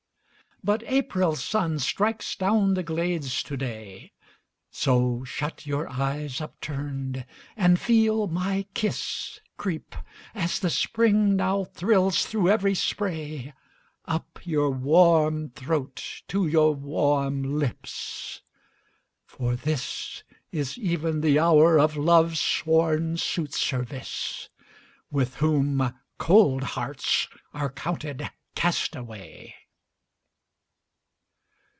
But April's sun strikes down the glades to day; So shut your eyes upturned, and feel my kiss Creep, as the Spring now thrills through every spray, Up your warm throat to your warm lips: for this Is even the hour of Love's sworn suitservice, With whom cold hearts are counted castaway.